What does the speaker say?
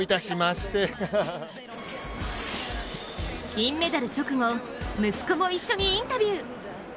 金メダル直後、息子も一緒にインタビュー。